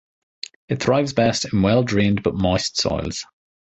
It thrives best in well-drained but moist soils.